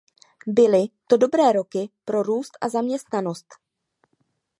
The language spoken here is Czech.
Byly to dobré roky pro růst a zaměstnanost.